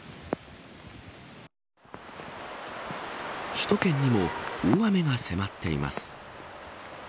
首都圏にも大雨が迫っています。